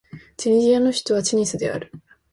チュニジアの首都はチュニスである